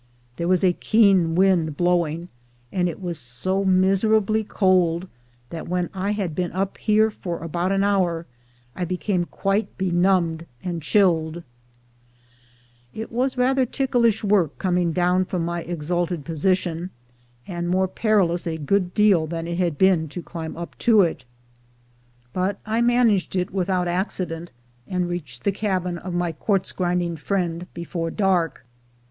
There was a keen wind blowing, and it was so miser ably cold, that when I had been up here for about an hour, I became quite benumbed and chilled. It was rather ticklish work coming down from my exalted position, and more perilous a good deal than it had been to climb up to it; but I managed it without ♦Under two hundred miles in an air line. — Ed. 240 THE GOLD HUNTERS accident, and reached the cabin of my quartz grinding friend before dark.